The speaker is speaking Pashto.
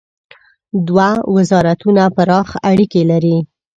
دوه وزارتونه پراخ اړیکي لري.